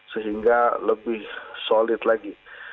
sehingga lebih solid lagi